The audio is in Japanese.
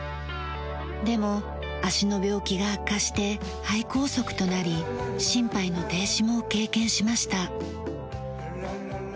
でも足の病気が悪化して肺梗塞となり心肺の停止も経験しました。